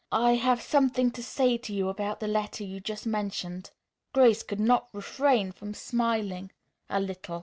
I have something to say to you about the letter you just mentioned." Grace could not refrain from smiling a little.